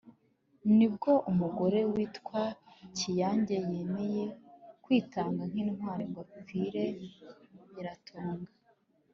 Ni bwo umugore witwa Kiyange yemeye kwitanga nk’intwari ngo apfire Nyiratunga